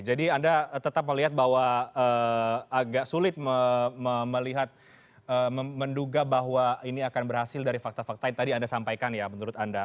anda tetap melihat bahwa agak sulit melihat menduga bahwa ini akan berhasil dari fakta fakta yang tadi anda sampaikan ya menurut anda